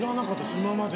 今まで。